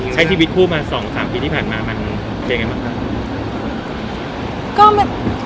ใช้ชีวิตคู่มา๒๓ปีที่ผ่านมามันเป็นยังไงบ้างครับ